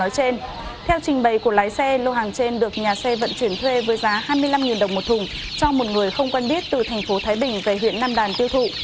theo trình bày của lái xe lô hàng trên được nhà xe vận chuyển thuê với giá hai mươi năm đồng một thùng cho một người không quen biết từ thành phố thái bình về huyện nam đàn tiêu thụ